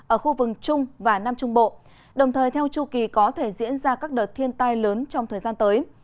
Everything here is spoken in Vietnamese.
ở khu vực trung và nam trung bộ đồng thời theo chu kỳ có thể diễn ra các đợt thiên tai lớn trong thời gian tới